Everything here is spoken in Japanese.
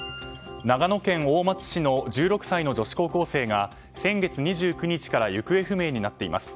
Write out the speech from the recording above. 長野県大町市の１６歳の女子高校生が先月２９日から行方不明になっています。